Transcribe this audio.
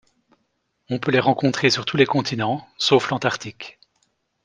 On peut les rencontrer sur tous les continents sauf l'Antarctique.